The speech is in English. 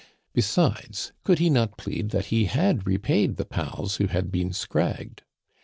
Besides, could he not plead that he had repaid the pals who had been scragged?